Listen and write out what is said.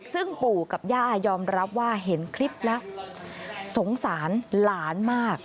ซึ่งปู่กับย่ายอมรับว่าเห็นคลิปแล้วสงสารหลานมาก